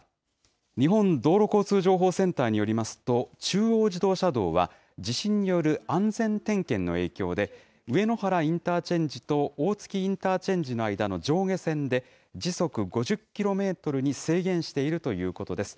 日本道路交通情報センターによりますと、中央自動車道は地震による安全点検の影響で、上野原インターチェンジと大月インターチェンジの間の上下線で、時速５０キロメートルに制限しているということです。